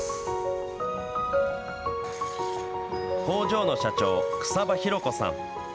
工場の社長、草場寛子さん。